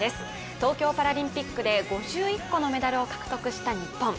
東京パラリンピックで５１個のメダルを獲得した日本。